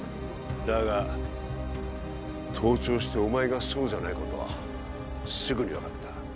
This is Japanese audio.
だが盗聴してお前がそうじゃないことはすぐに分かった